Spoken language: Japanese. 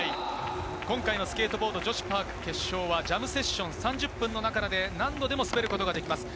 今回のスケートボード女子パーク決勝はジャムセッション、３０分の中で何度でも滑ることができます。